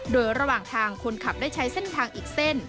โดยระหว่างทางคนขับได้ใช้เส้นทางอีกเส้น